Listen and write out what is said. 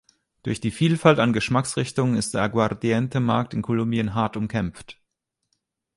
Durch die Vielfalt an Geschmacksrichtungen ist der Aguardiente-Markt in Kolumbien hart umkämpft.